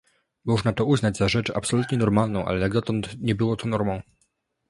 Można to uznać za rzecz absolutnie normalną, ale jak dotąd nie było to normą